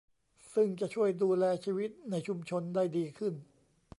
ซึ่งจะช่วยดูแลชีวิตในชุมชนได้ดีขึ้น